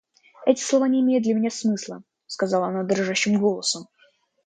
Эти слова не имеют для меня смысла, — сказала она дрожащим голосом.